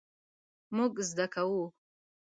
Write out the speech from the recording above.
مونږ زده کوو